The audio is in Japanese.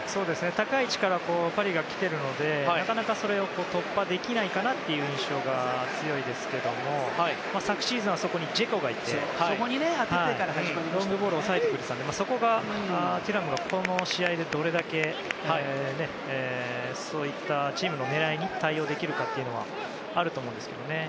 高い位置からパリが来ているのでなかなかそれを突破できないかなという印象が強いですけども昨シーズンはそこにジェコがいてロングボールを収めていたのでそこが、テュラムがこの試合でどれだけそういったチームの狙いに対応できるかというのはあると思うんですけどね。